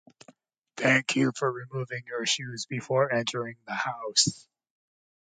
Thank you for removing your shoes before entering the house.